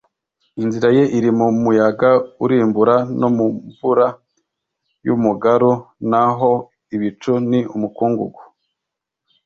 Inzira ye iri mu muyaga urimbura no mu mvura y umugaru naho ibicu ni umukungugu